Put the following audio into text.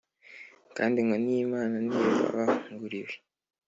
kandi inkoni y’imana ntibabanguriwe